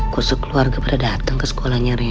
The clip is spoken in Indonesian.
kok sekeluarga pada dateng ke sekolahnya rena